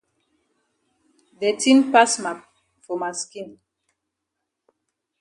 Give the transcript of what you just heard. De tin pass for ma skin.